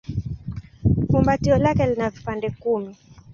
Fumbatio lake lina vipande kumi.